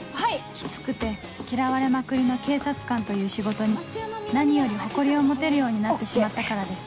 キツくて嫌われまくりの警察官という仕事に何より誇りを持てるようになってしまったからです